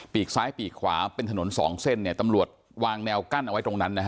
กซ้ายปีกขวาเป็นถนนสองเส้นเนี่ยตำรวจวางแนวกั้นเอาไว้ตรงนั้นนะฮะ